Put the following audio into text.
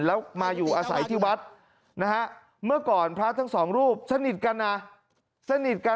แล้วมาอยู่อาศัยที่วัดเมื่อก่อนพระทั้งสองรูปสนิทกัน